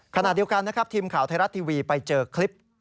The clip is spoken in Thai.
ขณะเดียวกันนะครับทีมข่าวไทยรัฐทีวีไปเจอคลิป